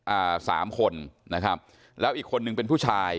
อ่าสามคนนะครับแล้วอีกคนนึงเป็นผู้ชาย